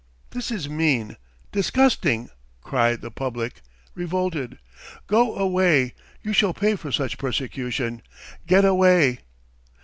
..." "This is mean, disgusting!" cry the "public," revolted. "Go away! You shall pay for such persecution. Get away!"